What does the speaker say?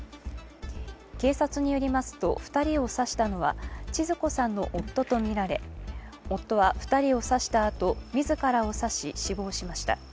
警察によりますと、２人を刺したのはちづ子さんの夫とみられ夫は２人を刺したあと自らを刺し死亡しました。